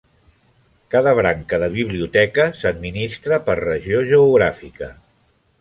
Cada branca de biblioteca s'administra per regió geogràfica.